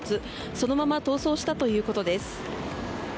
そのまま逃走したということです。